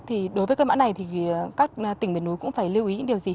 thì đối với cơn bão này thì các tỉnh biển núi cũng phải lưu ý những điều gì